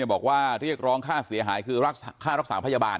บอกว่าเรียกร้องค่าเสียหายคือค่ารักษาพยาบาล